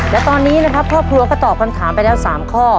และตอนนี้นะครับครอบครัวก็ตอบคำถามไปแล้ว๓ข้อ